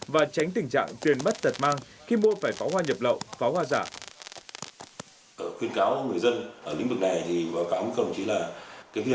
và tránh tình trạng tiền mất tật mang khi mua phải pháo hoa nhập lậu pháo hoa giả